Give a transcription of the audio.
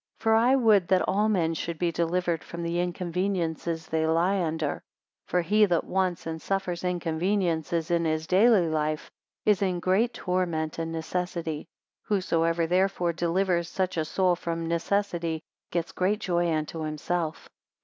For I would that all men should be delivered from the inconveniences they lie under. 25 For he that wants, and suffers inconveniences in his daily life, is in great torment and necessity. Whosoever therefore delivers such a soul from necessity, gets great joy unto himself.